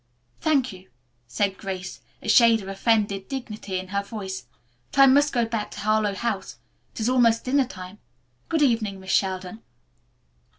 "Thank you," said Grace, a shade of offended dignity in her voice, "but I must go back to Harlowe House. It is almost dinner time. Good evening, Miss Sheldon."